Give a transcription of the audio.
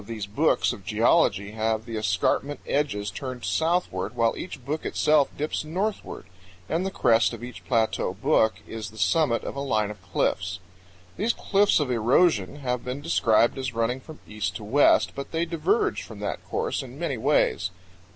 93 these books of geology have the escarpment edges turned southward, while each book itself dips northward, and the crest of each plateau book is the summit of a line of cliffs. These cliffs of erosion have been described as running from east to west, but they diverge from that course in many ways.